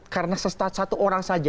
karena sesuatu orang saja